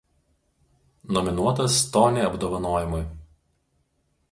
Nominuotas Tony apdovanojimui.